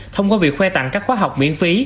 thông qua việc khoe tặng các khóa học miễn phí